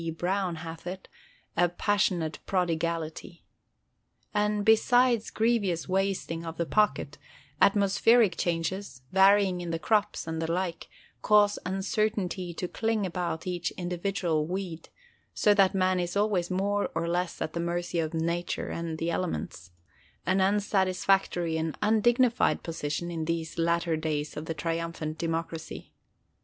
Browne hath it) a "passionate prodigality." And, besides grievous wasting of the pocket, atmospheric changes, varyings in the crops, and the like, cause uncertainty to cling about each individual weed, so that man is always more or less at the mercy of Nature and the elements—an unsatisfactory and undignified position in these latter days of the Triumphant Democracy.